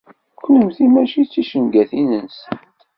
Kennemti mačči d ticengatin-nsent.